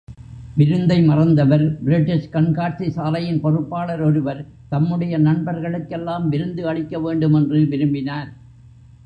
விருந்தை மறந்தவர் பிரிட்டிஷ் கண்காட்சிசாலையின் பொறுப்பாளர் ஒருவர், தம்முடைய நண்பர்களுக்கெல்லாம் விருந்து அளிக்க வேண்டும் என்று விரும்பினார்.